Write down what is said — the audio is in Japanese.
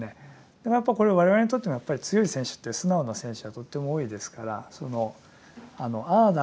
でもやっぱこれ我々にとってもやっぱり強い選手って素直な選手がとっても多いですからああだ